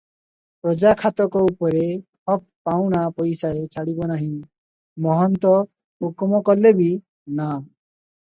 ପ୍ରଜା ଖାତକ ଉପରେ ହକ ପାଉଣା ପଇସାଏ ଛାଡିବ ନାହିଁ, ମହନ୍ତ ହୁକୁମ କଲେ ବି, ନା ।